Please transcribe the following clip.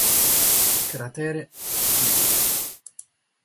Cratere Priestley